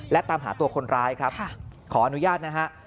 และตามหาตัวคนร้ายครับขออนุญาตนะฮะ